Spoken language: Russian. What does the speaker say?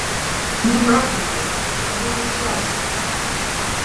Не правда ли, это было ужасно?